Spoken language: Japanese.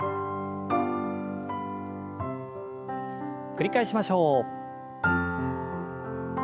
繰り返しましょう。